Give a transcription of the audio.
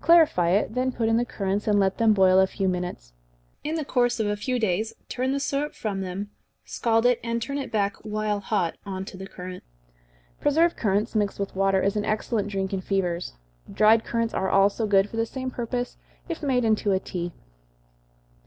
Clarify it, then put in the currants, and let them boil a few minutes. In the course of a few days turn the syrup from them, scald it, and turn it back, while hot, on to the currants. Preserved currants, mixed with water, is an excellent drink in fevers. Dried currants are also good for the same purpose, if made into a tea.